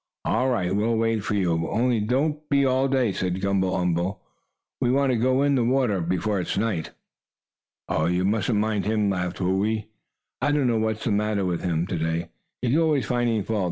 "All right, we'll wait for you. Only don't be all day," said Gumble umble. "We want to go in the water before night." "Oh, you mustn't mind him," laughed Whoo ee. "I don't know what's the matter with him to day; he's always finding fault.